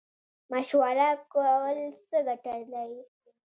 مشوره کول څه ګټه لري؟